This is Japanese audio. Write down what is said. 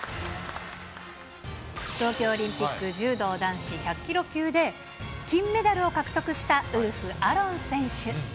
東京オリンピック柔道男子１００キロ級で、金メダルを獲得したウルフ・アロン選手。